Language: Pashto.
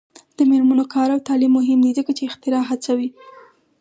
د میرمنو کار او تعلیم مهم دی ځکه چې اختراع هڅوي.